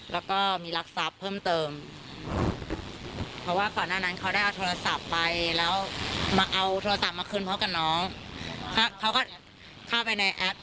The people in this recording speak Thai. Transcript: แล้วก็มีหลักศัพท์เพิ่มเติมเพราะว่าก่อนหน้านั้นเขาได้เอาโทรศัพท์ไป